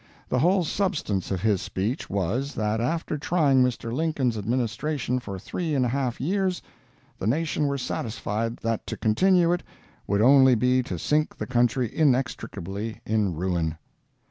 The whole substance of his speech was, that after trying Mr. Lincoln's Administration for three and a half years, the nation were satisfied that to continue it would only be to sink the country inextricably in ruin.